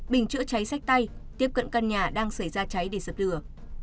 bình chữa cháy sách tay tiếp cận căn nhà đang xảy ra cháy để dập lửa